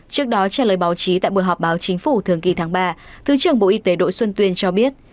trước đó trả lời báo chí tại buổi họp báo chính phủ thường kỳ tháng ba thứ trưởng bộ y tế đỗ xuân tuyên cho biết